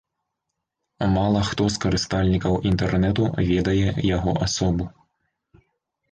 Мала хто з карыстальнікаў інтэрнэту ведае яго асобу.